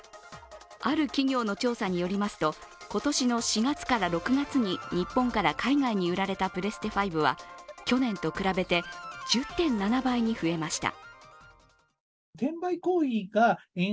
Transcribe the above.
ある企業の調査によりますと、今年の４月から６月に日本から海外に売られたプレステ５は去年と比べて１０．７倍に増えました。